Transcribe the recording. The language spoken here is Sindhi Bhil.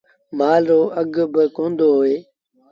مآل رو اگھ باڪوندو هوئي۔